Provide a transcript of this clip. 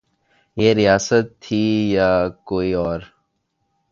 یہ ریاست تھی یا کوئی اور؟